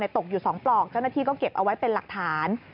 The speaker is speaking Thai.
ตกอยู่๒ปลอกเจ้าหน้าที่ก็เก็บเอาไว้เป็นหลักฐาน